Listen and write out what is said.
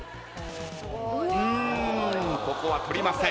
うんここは取りません。